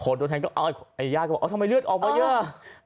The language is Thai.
คนโดนแทงก็ไอ้ย่าก็บอกทำไมเลือดออกมาเยอะ